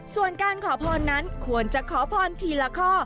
ส่วนการขอพรนั้นควรจะขอพรทีละข้อ